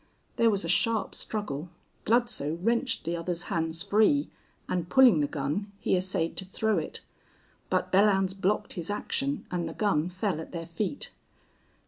There was a sharp struggle. Bludsoe wrenched the other's hands free, and, pulling the gun, he essayed to throw it. But Belllounds blocked his action and the gun fell at their feet.